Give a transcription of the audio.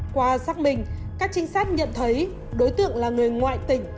qua xác minh các trinh sát nhận thấy đối tượng là người ngoại tỉnh